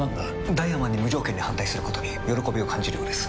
ダイワマンに無条件に反対することに喜びを感じるようです。